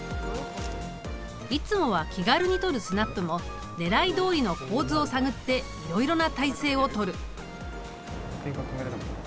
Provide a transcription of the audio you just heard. いつもは気軽に撮るスナップもねらいどおりの構図を探っていろいろな体勢をとる。